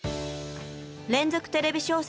「連続テレビ小説」